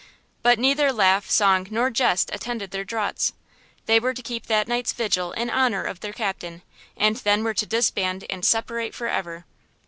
But neither laugh, song nor jest attended their draughts. They were to keep that night's vigil in honor of their captain, and then were to disband and separate forever.